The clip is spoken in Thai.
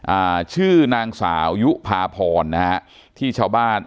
อ่าชื่อนางสาวยุภาพรนะฮะที่ชาวบ้าน